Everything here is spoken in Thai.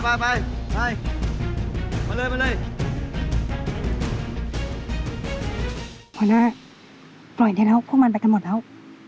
หัวหน้าปล่อยได้แล้วพวกมันไปกันหมดแล้ว